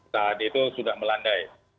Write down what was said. tadi itu sudah melandai